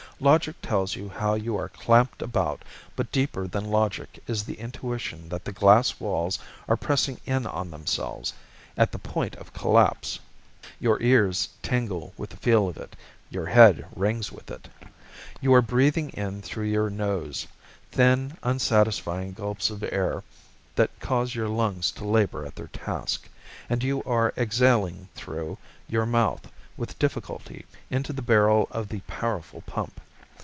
Logic tells you how you are clamped about, but deeper than logic is the intuition that the glass walls are pressing in on themselves at the point of collapse. Your ears, tingle with the feel of it: your head rings with it. You are breathing in through your nose thin, unsatisfying gulps of air that cause your lungs to labor at their task; and you are exhaling through, your mouth, with difficulty, into the barrel of the powerful pump.